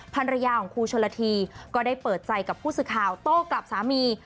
ภรรยาของครูชนละทีก็ได้เปิดใจกับผู้สื่อข่าวโต้กลับสามี